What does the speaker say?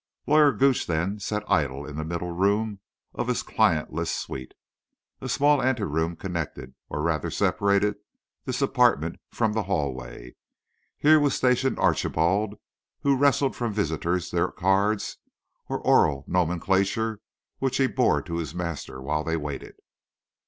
Lawyer Gooch, then, sat idle in the middle room of his clientless suite. A small anteroom connected—or rather separated—this apartment from the hallway. Here was stationed Archibald, who wrested from visitors their cards or oral nomenclature which he bore to his master while they waited.